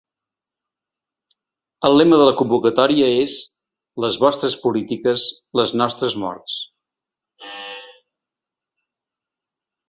El lema de la convocatòria és Les vostres polítiques, les nostres morts.